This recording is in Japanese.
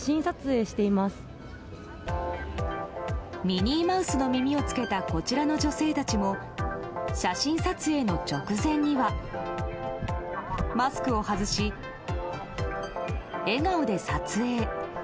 ミニーマウスの耳を着けたこちらの女性たちも写真撮影の直前にはマスクを外し笑顔で撮影。